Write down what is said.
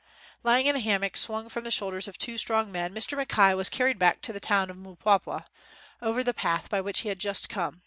Lying in a hammock swung from the shoulders of two strong men Mr. Mackay was carried back to the town of Mpwapwa over the path by which he had just come.